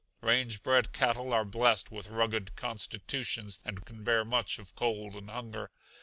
Range bred cattle are blessed with rugged constitutions and can bear much of cold and hunger.